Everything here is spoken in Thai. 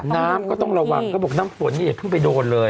น้ำก็ต้องระวังเขาบอกน้ำฝนนี่อย่าเพิ่งไปโดนเลย